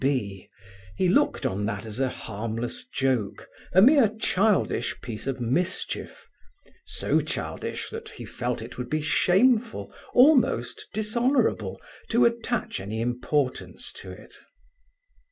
P.B., he looked on that as a harmless joke, a mere childish piece of mischief—so childish that he felt it would be shameful, almost dishonourable, to attach any importance to it.